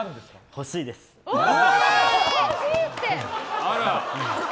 欲しいって。